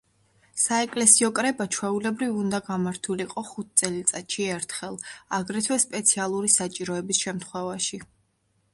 საეკლესიო კრება ჩვეულებრივ უნდა გამართულიყო ხუთ წელიწადში ერთხელ, აგრეთვე სპეციალური საჭიროების შემთხვევაში.